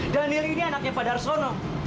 daniel ini anaknya pak darsono